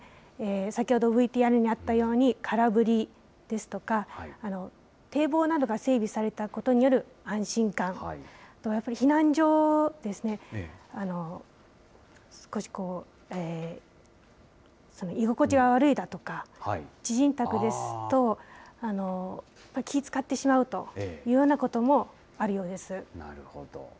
先ほどＶＴＲにあったように、空振りですとか、堤防などが整備されたことによる安心感、やっぱり避難所ですね、少し居心地が悪いだとか、知人宅ですと、気を遣ってしまうというようなこともあるようです。